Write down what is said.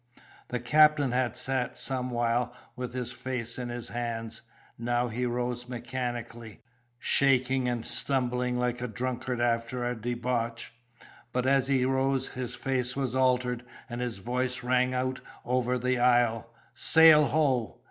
The captain had sat somewhile with his face in his hands: now he rose mechanically, shaking and stumbling like a drunkard after a debauch. But as he rose, his face was altered, and his voice rang out over the isle, "Sail, ho!"